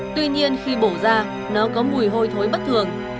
tuy nhiên khi bổ ra nó có mùi hôi thối bất thường